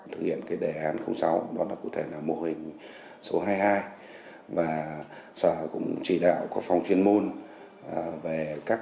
thực hiện cái đề án sáu đó là cụ thể là mô hình số hai mươi hai và sở cũng chỉ đạo của phòng chuyên môn về các